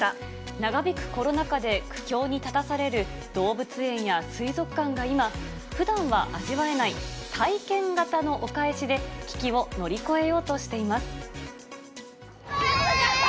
長引くコロナ禍で、苦境に立たされる動物園や水族館が今、ふだんは味わえない体験型のお返しで、危機を乗り越えようとしています。